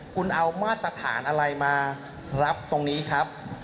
คุณเอามาตรฐานอะไรมารับตรงนี้ครับ